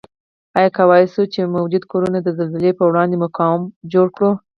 آیا کوای شو موجوده کورنه د زلزلې پروړاندې مقاوم جوړ کړو؟